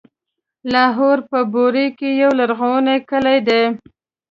لاهور په بوري کې يو لرغونی کلی دی.